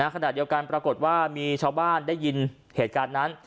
ขณะเดียวกันปรากฏว่ามีชาวบ้านได้ยินเหตุการณ์นั้น